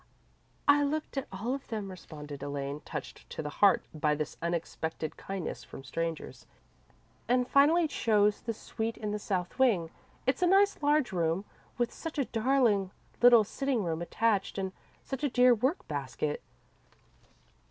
"I looked at all of them," responded Elaine, touched to the heart by this unexpected kindness from strangers, "and finally chose the suite in the south wing. It's a nice large room, with such a darling little sitting room attached, and such a dear work basket."